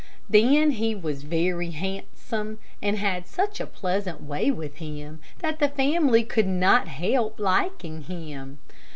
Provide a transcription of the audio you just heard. Then he was very handsome, and had such a pleasant way with him, that the family could not help liking him.